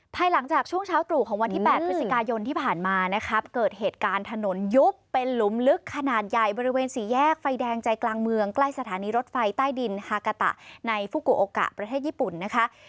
ภายหลังจากช่วงเช้าตรู่ของวันที่๘พฤศจิกายนที่ผ่านมานะครับเกิดเหตุการณ์ถนนยุบเป็นหลุมลึกขนาดใหญ่บริเวณสี่แยกไฟแดงใจกลางเมืองใกล้สถานีรถไฟใต้ดินฮากาตะในฟุโกโอกะประเทศญี่ปุ่นนะคะ